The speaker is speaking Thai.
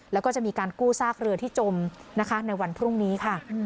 แล้วก็จะมีการกู้ซากเรือที่จมนะคะในวันพรุ่งนี้ค่ะ